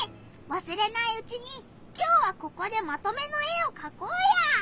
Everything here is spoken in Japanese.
わすれないうちにきょうはここでまとめの絵をかこうよ！